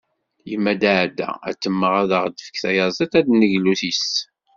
Yemma Daɛda ad temmeɣ ad aɣ-d-tefk tayaziḍt ad d-neglu yis-s.